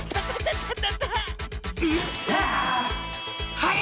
はい！